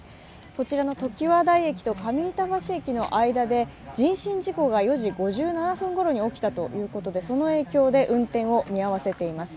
こちらのときわ台駅と上板橋駅の間で人身事故が４時５７分ごろに起きたということで、その影響で運転を見合わせています。